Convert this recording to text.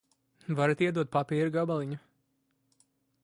Varat iedot papīra gabaliņu?